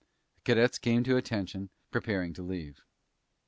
The cadets came to attention, preparing to leave.